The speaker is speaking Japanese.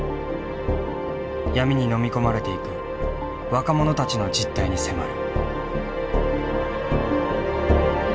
闇にのみ込まれていく若者たちの実態に迫る。